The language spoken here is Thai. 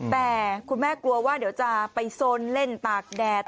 แต่คุณแม่กลัวว่าเดี๋ยวจะไปโซนเล่นตากแดด